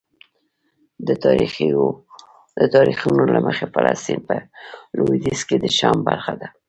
د تاریخونو له مخې فلسطین په لویدیځ کې د شام برخه ده.